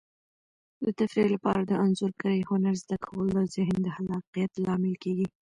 د تفریح لپاره د انځورګرۍ هنر زده کول د ذهن د خلاقیت لامل کیږي.